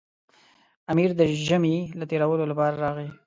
امیر د ژمي له تېرولو لپاره راغی.